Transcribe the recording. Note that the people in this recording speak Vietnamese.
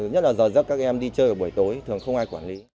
nhất là giờ giấc các em đi chơi ở buổi tối thường không ai quản lý